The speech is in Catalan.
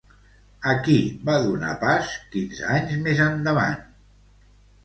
A qui va donar pas quinze anys més endavant?